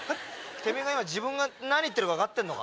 てめぇ今自分が何言ってるか分かってんのか？